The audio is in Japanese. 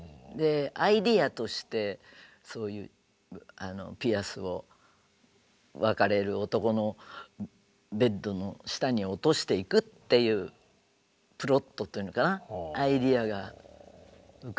アイデアとしてピアスを別れる男のベッドの下に落としていくっていうプロットというのかなアイデアが浮かんで。